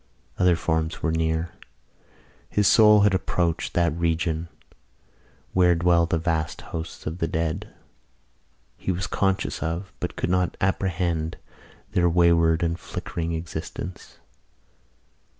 Other forms were near. His soul had approached that region where dwell the vast hosts of the dead. He was conscious of, but could not apprehend, their wayward and flickering existence.